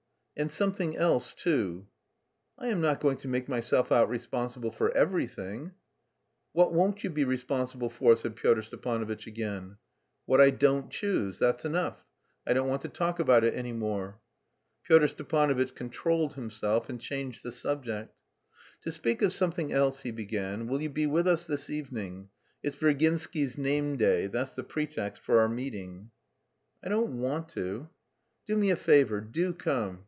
"And something else too." "I am not going to make myself out responsible for everything." "What won't you be responsible for?" said Pyotr Stepanovitch again. "What I don't choose; that's enough. I don't want to talk about it any more." Pyotr Stepanovitch controlled himself and changed the subject. "To speak of something else," he began, "will you be with us this evening? It's Virginsky's name day; that's the pretext for our meeting." "I don't want to." "Do me a favour. Do come.